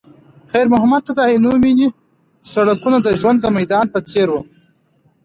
خیر محمد ته د عینومېنې سړکونه د ژوند د میدان په څېر وو.